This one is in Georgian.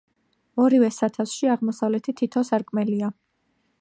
ორივე სათავსში აღმოსავლეთით თითო სარკმელია.